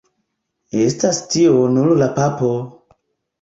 Estas tio nur la papo!